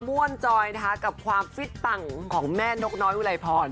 ม้วนจอยทักกับความฟิศปังของแม่นกน้อยอุ๋ไหลพร